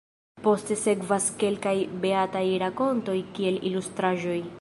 Poste sekvas kelkaj beataj rakontoj kiel ilustraĵoj.